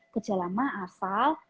gejala emah asal